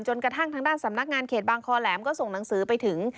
กระทั่งทางด้านสำนักงานเขตบางคอแหลมก็ส่งหนังสือไปถึง